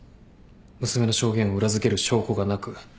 娘の証言を裏付ける証拠がなく不起訴処分に。